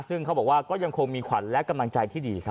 ซึ่งเขาบอกว่าก็ยังคงมีขวัญและกำลังใจที่ดีครับ